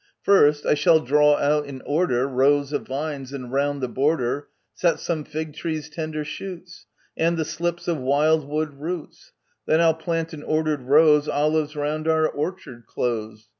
First, I shall draw out in order Rows of vines, and round the border Set some fig trees' tender shoots, And the slips of wild wood roots. Then I'll plant in ordered rows Olives round our orchard close.